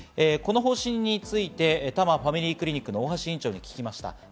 この方針について、多摩ファミリークリニック・大橋院長に聞きました。